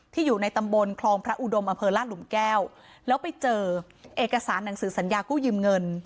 อยู่ในตำบลคลองพระอุดมอำเภอลาดหลุมแก้วแล้วไปเจอเอกสารหนังสือสัญญากู้ยืมเงิน